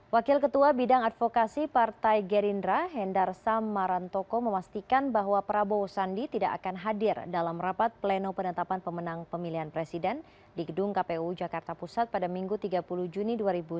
wakil ketua bidang advokasi partai gerindra hendarsam marantoko memastikan bahwa prabowo sandi tidak akan hadir dalam rapat pleno penetapan pemenang pemilihan presiden di gedung kpu jakarta pusat pada minggu tiga puluh juni dua ribu sembilan belas